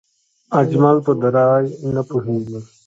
اجمل په دری نه پوهېږي